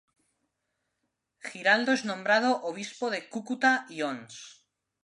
Giraldo es nombrado obispo de Cúcuta y ons.